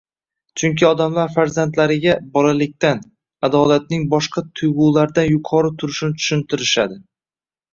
Chunki odamlar farzandlariga bolaligidan, adolatning boshqa tuyg‘ulardan yuqori turishini tushuntirishadi.